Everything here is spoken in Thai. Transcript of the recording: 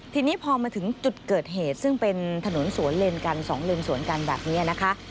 ทีนี้พอมาถึงจุดเกิดเหตุซึ่งเป็นถนนสวนเลนกันสองเลนสวนกันแบบนี้นะคะ